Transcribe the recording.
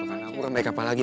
aku gak make up apa lagi